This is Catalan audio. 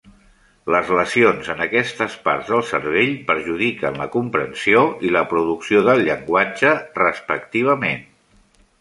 Les lesions en aquestes parts del cervell perjudiquen la comprensió i la producció del llenguatge, respectivament.